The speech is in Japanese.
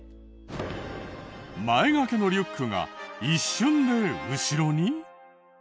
前掛けのリュックが一瞬で後ろに？